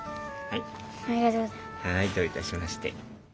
はいどういたしまして。